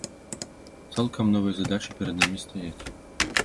Цалкам новыя задачы перад намі стаяць.